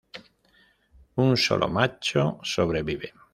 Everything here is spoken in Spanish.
Un solo Macho sobrevive.